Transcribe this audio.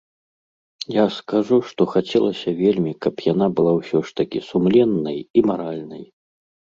Я скажу, што хацелася вельмі, каб яна была ўсё ж такі сумленнай і маральнай.